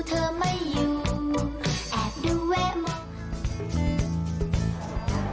ตื่นดูเธอไม่อยู่แอบดูแวะมอง